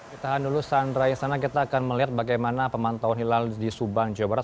lalu sandra di sana kita akan melihat bagaimana pemantauan hilal di subang jawa barat